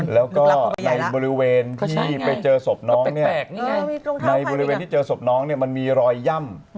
แล้วก็ในบริเวณที่ไปเจอศพน้องเนี่ยในบริเวณที่เจอศพน้องเนี่ยมันมีรอยย่ำ